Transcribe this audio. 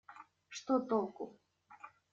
Что толку?..